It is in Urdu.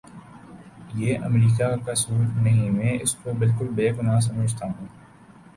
یہ امریکہ کا کسور نہیں میں اس کو بالکل بے گناہ سمجھتا ہوں